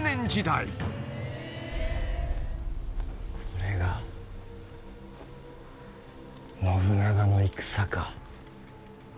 「これが信長の戦か」